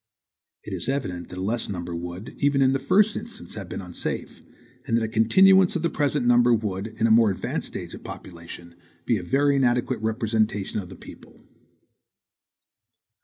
It is evident that a less number would, even in the first instance, have been unsafe, and that a continuance of the present number would, in a more advanced stage of population, be a very inadequate representation of the people.